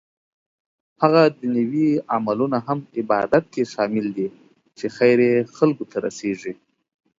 هغه دنيوي عملونه هم عبادت کې شامل دي چې خير يې خلکو ته رسيږي